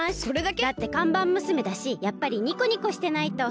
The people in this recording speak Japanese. だってかんばんむすめだしやっぱりニコニコしてないと。